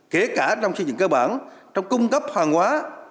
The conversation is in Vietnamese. kể cả trong suy nghĩ cơ bản trong cung cấp hoàn hóa